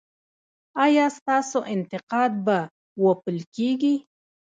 ایا ستاسو انتقاد به وپل کیږي؟